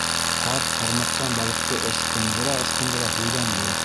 Ҡарт ҡармаҡтан балыҡты ысҡындыра-ысҡындыра һөйләнде: